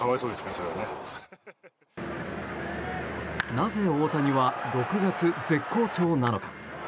なぜ大谷は６月絶好調なのか。